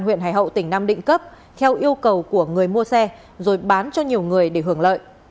huyện hải hậu tỉnh nam định cấp theo yêu cầu của người mua xe rồi bán cho nhiều người để hưởng lợi